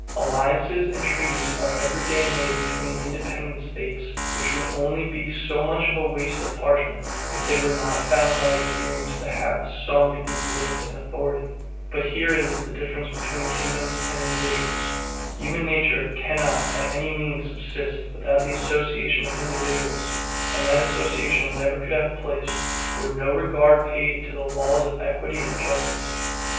Alliances and treaties are every day made between independent states, which would only be so much waste of parchment, if they were not found by experience to have SOME influence and authority. But here is the difference between kingdoms and individuals. Human nature cannot by any means subsist, without the association of individuals; and that association never could have place, were no regard paid to the laws of equity and justice.